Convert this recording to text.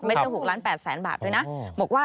ไม่ได้๖๘ล้านบาทเนี่ยนะ